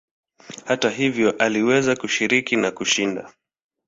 Hata hivyo aliweza kushiriki na kushinda.